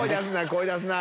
声出すな！